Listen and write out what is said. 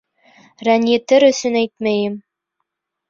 Рәнйетер өсөн әйтмәйем.